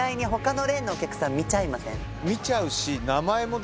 見ちゃうし。